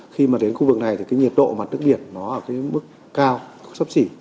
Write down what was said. khi mà đến khu vực này thì cái nhiệt độ mặt nước biển nó ở cái mức cao sấp xỉ